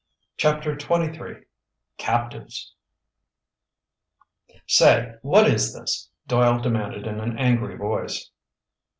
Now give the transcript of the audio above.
CHAPTER XXIII CAPTIVES "Say, what is this?" Doyle demanded in an angry voice.